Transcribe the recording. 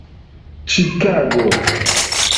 ĉikago